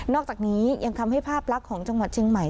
อกจากนี้ยังทำให้ภาพลักษณ์ของจังหวัดเชียงใหม่